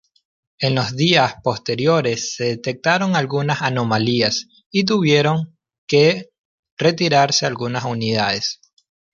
En los días posteriores se detectaron algunas anomalías y tuvieron que retirarse algunas unidades.